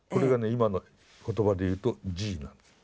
今の言葉で言うと「Ｇ」なんです。